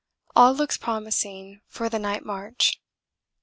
All looks promising for the night march.